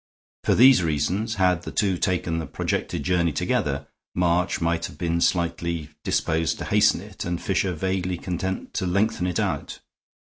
For these reasons, had the two taken the projected journey together, March might have been slightly disposed to hasten it and Fisher vaguely content to lengthen it out.